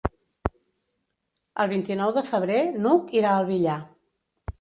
El vint-i-nou de febrer n'Hug irà al Villar.